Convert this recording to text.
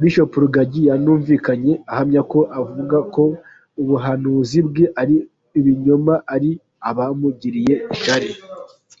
Bishop Rugagi yanumvikanye ahamya ko abavuga ko ubuhanuzi bwe ari ibinyoma ari abamugiriye ishyari.